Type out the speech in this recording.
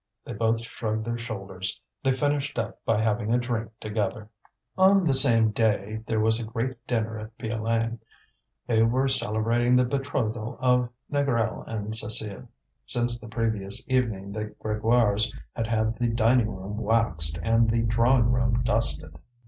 They both shrugged their shoulders. They finished up by having a drink together. On the same day there was a great dinner at Piolaine; they were celebrating the betrothal of Négrel and Cécile. Since the previous evening the Grégoires had had the dining room waxed and the drawing room dusted.